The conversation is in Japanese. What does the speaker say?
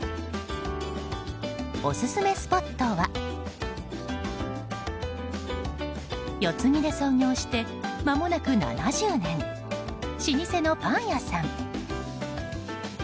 オススメスポットは四つ木で創業してまもなく７０年老舗のパン屋さん。